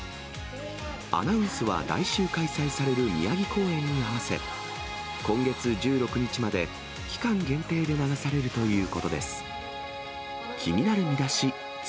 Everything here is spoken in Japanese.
アナウンスは来週開催される宮城公演に合わせ、今月１６日まで、期間限定で流されるということです。